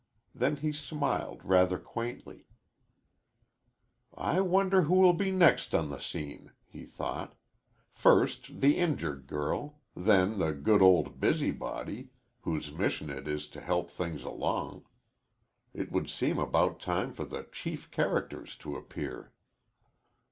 Then he smiled, rather quaintly. "I wonder who will be next on the scene," he thought. "First, the injured girl. Then the good old busybody, whose mission it is to help things along. It would seem about time for the chief characters to appear."